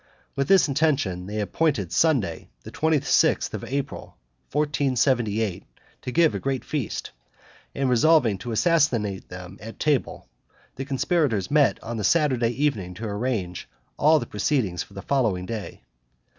With this intention they appointed Sunday, the twenty sixth of April, 1478, to give a great feast; and, resolving to assassinate them at table, the conspirators met on the Saturday evening to arrange all proceedings for the following day.